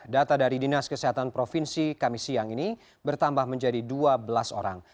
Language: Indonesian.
data dari dinas kesehatan provinsi kami siang ini bertambah menjadi dua belas orang